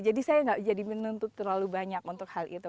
jadi saya enggak jadi menuntut terlalu banyak untuk hal itu